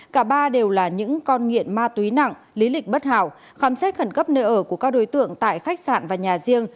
cả ba đều là những con nghiện ma túy nặng lý lịch bất hảo khám xét khẩn cấp nơi ở của các đối tượng tại khách sạn và nhà riêng